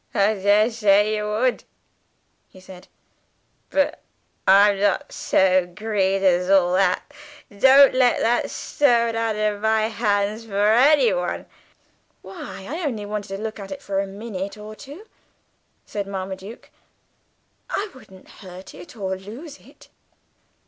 "I dareshay you would," he said, "but I'm not sho green as all that. Don't let that Stone out of my hands for anyone." "Why, I only wanted to look at it for a minute or two," said Marmaduke; "I wouldn't hurt it or lose it."